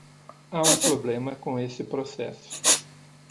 Há um problema com esse processo.